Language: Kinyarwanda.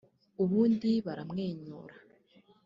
ubundi baramwenyura